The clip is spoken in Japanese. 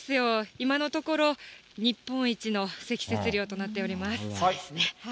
今のところ、日本一の積雪量となっております。